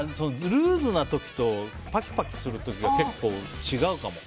ルーズな時とパキパキする時が結構、違うかも。